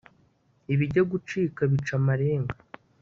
Ibijya gucika bica amarenga